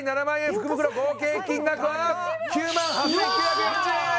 福袋合計金額は９万８９４０円！